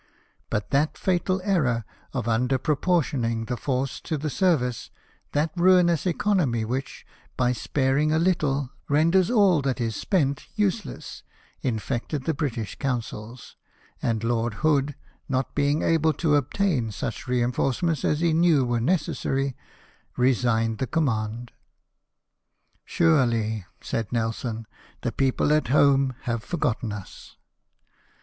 But that fatal error of under proportioning the force to the service, that ruinous economy which, by spar ing a little, renders all that is spent useless, infected the British councils ; and Lord Hood, not being able to obtain such reinforcements as he knew were neces sary, resigned the command. " Surely," said Nelson, "the people at home have forgotten us."